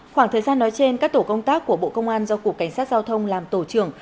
khoảng thời gian nói trên các tổ công tác của bộ công an do cục cảnh sát giao thông làm tổ trưởng